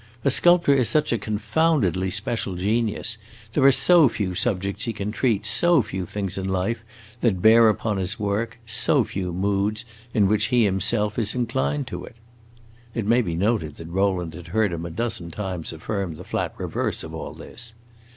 A sculptor is such a confoundedly special genius; there are so few subjects he can treat, so few things in life that bear upon his work, so few moods in which he himself is inclined to it." (It may be noted that Rowland had heard him a dozen times affirm the flat reverse of all this.)